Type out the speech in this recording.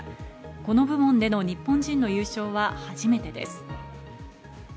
この部門での日本人の優勝は初めてです。